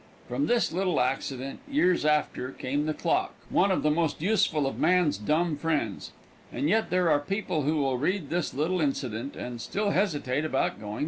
From this little accident, years after, came the clock, one of the most useful of man's dumb friends. And yet there are people who will read this little incident and still hesitate about going to church.